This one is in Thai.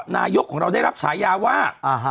นายกของเราได้รับฉายาว่า